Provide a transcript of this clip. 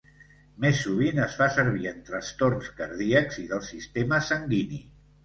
Més sovint es fa servir en trastorns cardíacs i del sistema sanguini.